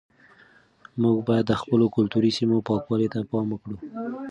موږ باید د خپلو کلتوري سیمو پاکوالي ته پام وکړو.